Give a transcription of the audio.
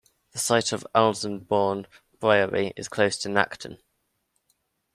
The site of Alnesbourne Priory is close to Nacton.